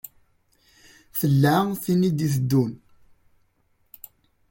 Tella tin i d-iteddun.